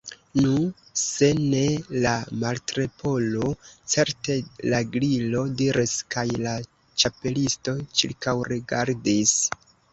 "Nu, se ne la Martleporo, certe la Gliro diris " kaj la Ĉapelisto ĉirkaŭregardis.